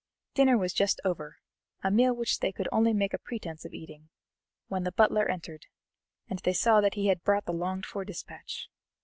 Dinner was just over, a meal which they could only make a pretence of eating, when the butler entered, and they saw that he had brought the longed for dispatch.